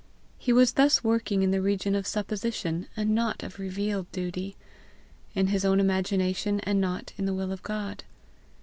He was thus working in the region of supposition, and not of revealed duty; in his own imagination, and not in the will of God.